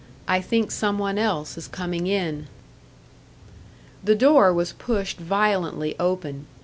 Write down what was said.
"I think some one else is coming in." The door was pushed violently open.